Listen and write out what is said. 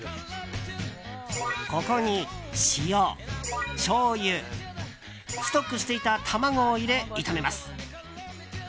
ここに塩、しょうゆストックしていた卵を入れ炒めます。